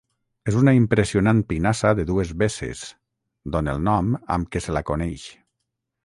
És una impressionant pinassa de dues besses, d'on el nom amb què se la coneix.